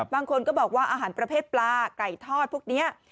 บางคนก็บอกว่าอาหารประเภทปลาไก่ทอดพวกนี้